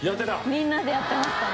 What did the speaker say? みんなでやってましたね。